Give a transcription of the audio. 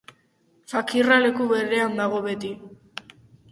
Fakirra leku berean dago beti.